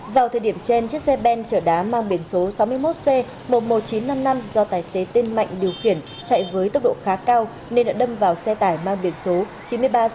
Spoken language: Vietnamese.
vào thời điểm trên chiếc xe ben chở đá mang biển số sáu mươi một c một mươi một nghìn chín trăm năm mươi năm do tài xế tên mạnh điều khiển chạy với tốc độ khá cao nên đã đâm vào xe tải mang biển số chín mươi ba sáu trăm bảy